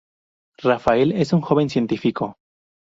Rafael es un joven científico.